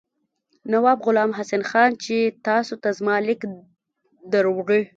نواب غلام حسین خان چې تاسو ته زما لیک دروړي.